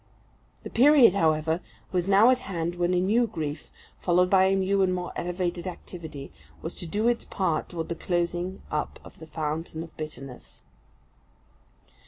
The period, however, was now at hand when a new grief, followed by a new and more elevated activity, was to do its part towards the closing up of the fountain of bitterness.